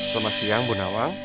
selamat siang bu nawang